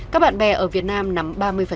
các bạn bè ở việt nam nắm ba mươi